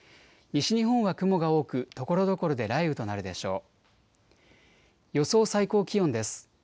西日本は雲が多くところどころで雷雨となるでしょう。